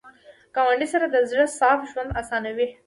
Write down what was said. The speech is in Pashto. ګاونډي سره د زړه صفا ژوند اسانوي